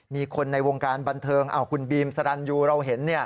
มีคนในวงการบันเทิงคุณบีมสรรยูเราเห็น